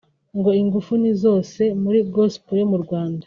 ngo ingufu ni zose muri gospel yo mu Rwanda